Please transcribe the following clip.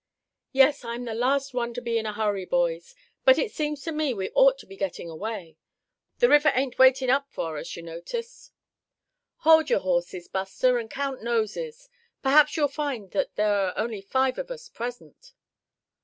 "Yes, I'm the last one to be in a hurry, boys, but it seems to me we ought to be getting away. The river ain't waiting up for us, you notice." "Hold your horses, Buster, and count noses; perhaps you'll find that there are only five of us present."